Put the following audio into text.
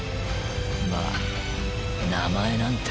まァ名前なんて